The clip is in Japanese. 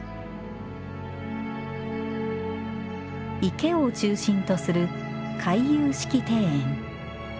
池を中心とする回遊式庭園。